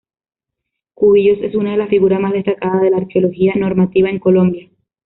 Cubillos es una de las figuras más destacadas de la arqueología normativa en Colombia.